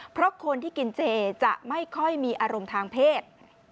เพราะคนที่กินเจจะไม่ค่อยมีอารมณ์ทางเพศ